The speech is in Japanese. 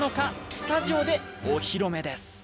スタジオでお披露目です。